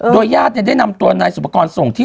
โดยญาติเนี่ยได้นำตัวนายสุปกรณ์ส่ง